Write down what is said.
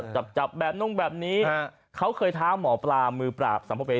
จับจับแบบนุ่งแบบนี้เขาเคยท้าหมอปลามือปราบสัมภเวษ